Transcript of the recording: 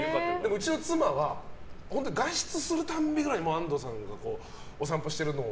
うちの妻は外出するたびくらいに安藤さんがお散歩しているのを。